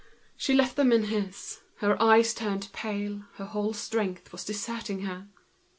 She left them in his, her eyes turned pale, her whole strength was deserting her.